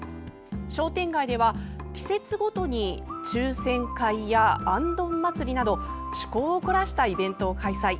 商店街では、季節ごとに抽選会やあんどん祭りなど趣向をこらしたイベントを開催。